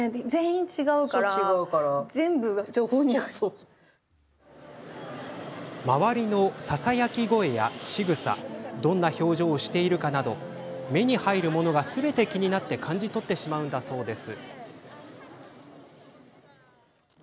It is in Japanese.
続いては周りのささやき声やしぐさどんな表情をしているかなど目に入るものがすべて気になって感じ取ってしまうんだそうです。